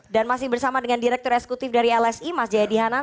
dan masih bersama dengan direktur eksekutif dari lsi mas jayadi hanan